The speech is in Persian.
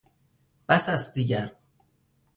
بس است دیگر